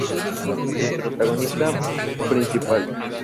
El protagonista principal.